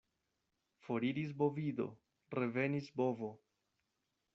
Foriris bovido, revenis bovo.